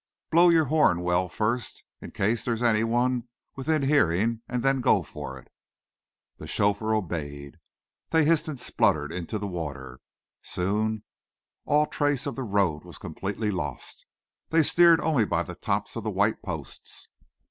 Blow your horn well first, in case there's any one within hearing, and then go for it." The chauffeur obeyed. They hissed and spluttered into the water. Soon all trace of the road was completely lost. They steered only by the tops of the white posts.